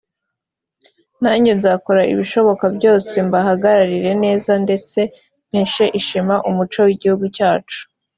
nanjye nzakora ibishoboka byose mbahagararire neza ndetse mpeshe ishema umuco w’igihugu cyacu